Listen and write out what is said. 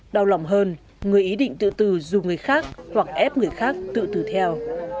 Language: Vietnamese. đau lòng hơn người ý định tự từ dù người khác hoặc ép người khác tự tử theo